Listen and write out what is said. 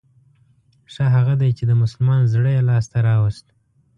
ښه هغه دی چې د مسلمان زړه يې لاس ته راووست.